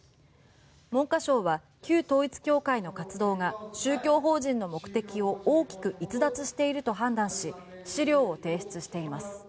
文科省は旧統一教会の活動が宗教法人の目的を大きく逸脱していると判断し資料を提出しています。